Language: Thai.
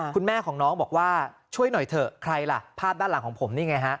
คุณแม่ของน้องบอกว่าช่วยหน่อยเถอะใครล่ะภาพด้านหลังของผมนี่ไงฮะ